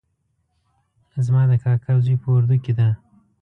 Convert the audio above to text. زما د کاکا زوی په اردو کې ده